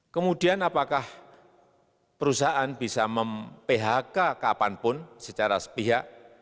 kemudian apakah perusahaan bisa mem phk kapanpun secara sepihak